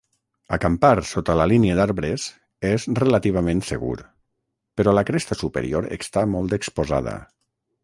Acampar sota la línia d'arbres és relativament segur, però la cresta superior està molt exposada.